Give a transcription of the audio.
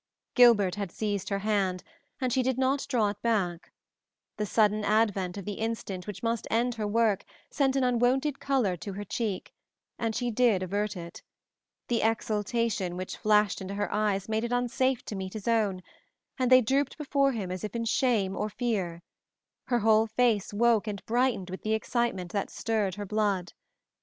Gilbert had seized her hand, and she did not draw it back; the sudden advent of the instant which must end her work sent an unwonted color to her cheek, and she did avert it; the exultation which flashed into her eyes made it unsafe to meet his own, and they drooped before him as if in shame or fear, her whole face woke and brightened with the excitement that stirred her blood.